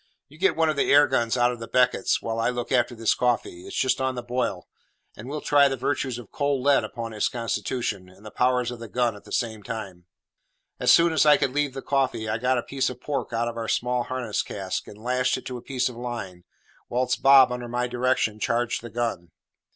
You get one of the air guns out of the beckets, whilst I look after this coffee it's just on the boil and we'll try the virtues of cold lead upon his constitution, and the powers of the gun at the same time." As soon as I could leave the coffee, I got a piece of pork out of our small harness cask, and lashed it to a piece of line, whilst Bob, under my directions, charged the gun.